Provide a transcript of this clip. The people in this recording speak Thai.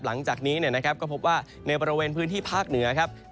หลังจากนี้ก็พบว่าในบริเวณพื้นที่ภาคเหนือครับ